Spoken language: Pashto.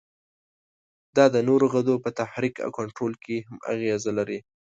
دا د نورو غدو په تحریک او کنترول کې هم اغیزه لري.